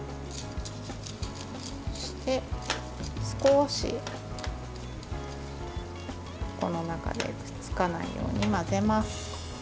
そして少し、この中でくっつかないように混ぜます。